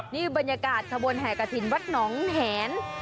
นี่บรรยากาศขบวนแห่กระถิ่นวัดหนองแหน